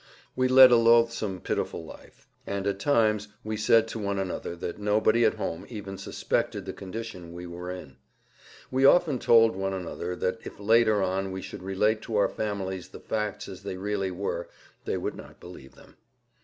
We led a loathsome, pitiful life, and at times we said to one another that nobody at home even suspected the condition we were in. We often told one another that if later on we should relate to our families the facts as they really were they would not believe them.